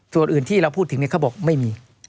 ส่วนอื่นที่เราพูดถึงเขาบอกไม่มี